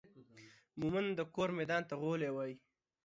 مومند دا کور ميدان ته غولي وايي